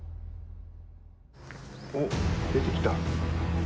おっ出てきた。